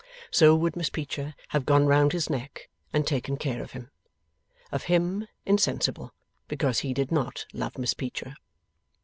So would Miss Peecher have gone round his neck and taken care of him. Of him, insensible. Because he did not love Miss Peecher.